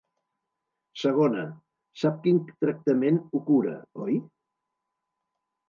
Segona: sap quin tractament ho cura, oi?